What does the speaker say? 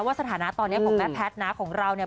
สถานะตอนนี้ของแม่แพทย์นะของเราเนี่ย